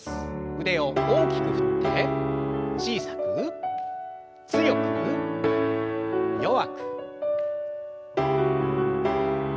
腕を大きく振って小さく強く弱く。